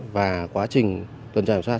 và quá trình tuần trải đảm sát